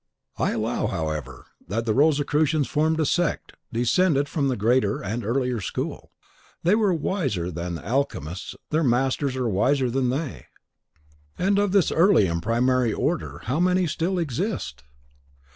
I allow, however, that the Rosicrucians formed a sect descended from the greater and earlier school. They were wiser than the Alchemists, their masters are wiser than they." "And of this early and primary order how many still exist?"